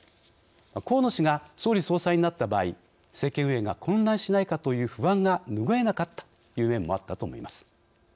河野氏が総理・総裁になった場合政権運営が混乱しないかという不安がぬぐえなかったという面もあったと思います。